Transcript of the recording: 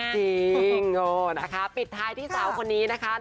แดนห่วงเหรอจริงโอ้นะคะปิดท้ายที่สาวคนนี้นะคะ